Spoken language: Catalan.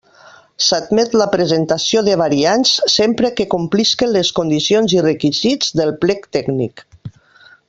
S'admet la presentació de variants sempre que complisquen les condicions i requisits del plec tècnic.